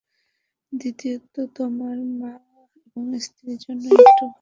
দ্বিতীয়ত তোমার মা এবং স্ত্রীর জন্যও একটু ভাবা উচিত।